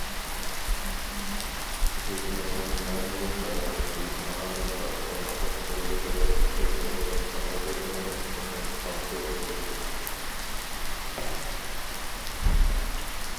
ھۆكۈمەتنىڭ مەمۇرىي خىراجىتى، مائارىپقا، جامائەت قۇرۇلۇشىغا ئىشلىتىلىدىغان خىراجەتلىرىنىڭ مۇقىم خامچوتى بولىدۇ.